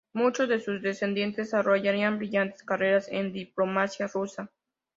Muchos de sus descendientes desarrollarían brillantes carreras en la diplomacia rusa.